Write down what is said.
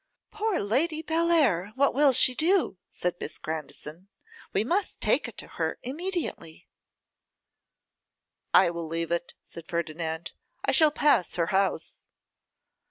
'Poor Lady Bellair, what will she do?' said Miss Grandison; 'we must take it to her immediately.' 'I will leave it,' said Ferdinand, 'I shall pass her house.